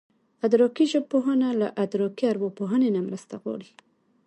ادراکي ژبپوهنه له ادراکي ارواپوهنې نه مرسته غواړي